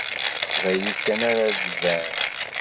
S teqbaylit kan ara ad tban.